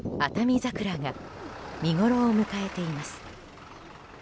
桜が見ごろを迎えています。